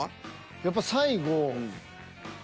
やっぱ最後。